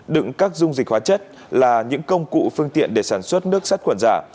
đựng các dung dịch hóa chất là những công cụ phương tiện để sản xuất nước sắt quần giả